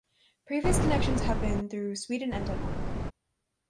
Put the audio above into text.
Previous connections have been through Sweden and Denmark.